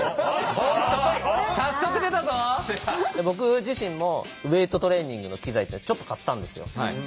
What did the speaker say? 僕自身もウエイトトレーニングの機材ってちょっと買ったんですよ。